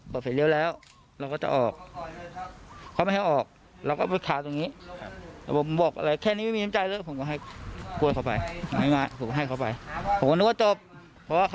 เขาก็จะออกไปแหละยั่วใส่ไหมอีก